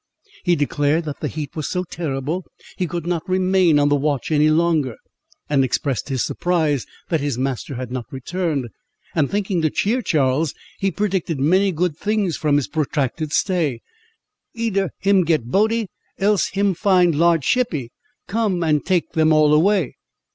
He declared that the heat was so terrible, he could not remain on the watch any longer, and expressed his surprise that his master had not returned; and thinking to cheer Charles, he predicted many good things from his protracted stay.—"Eder him get boaty, else him find large shippy, come and take them all away."